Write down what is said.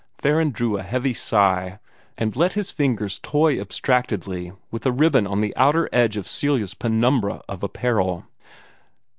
Theron drew a heavy sigh, and let his fingers toy abstractedly with a ribbon on the outer edge of Celia's penumbra of apparel.